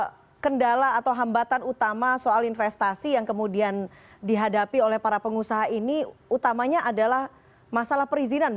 apa kendala atau hambatan utama soal investasi yang kemudian dihadapi oleh para pengusaha ini utamanya adalah masalah perizinan